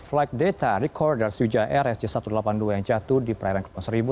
flight data recorder sriwijaya rsj satu ratus delapan puluh dua yang jatuh di perairan kepulau seribu